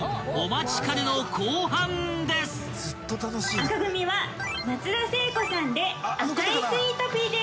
紅組は松田聖子さんで『赤いスイートピー』です。